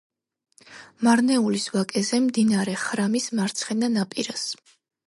მარნეულის ვაკეზე, მდინარე ხრამის მარცხენა ნაპირას.